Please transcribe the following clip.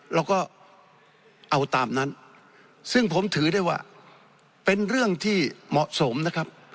เราก็เอาตามนั้นซึ่งผมถือได้ว่าเป็นเรื่องที่เหมาะสมนะครับ